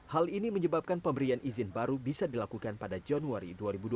hal ini menyebabkan pemberian izin baru bisa dilakukan pada januari dua ribu dua puluh